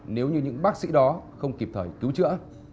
nếu như những bác sĩ đó không kịp thời cứu chữa